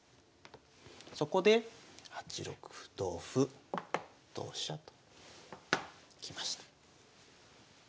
そこで８六歩同歩同飛車ときました。